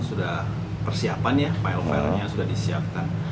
sudah persiapan ya file file nya sudah disiapkan